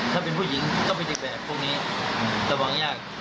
ถ้าเป็นผู้หญิงก็เป็นอีกแบบพวกนี้อืมแต่บางอย่างยาก